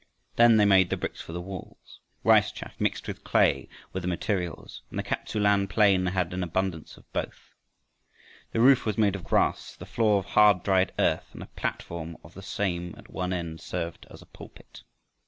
Then they made the bricks for the walls. Rice chaff mixed with clay were the materials, and the Kap tsu lan plain had an abundance of both. The roof was made of grass, the floor of hard dried earth, and a platform of the same at one end served as a pulpit.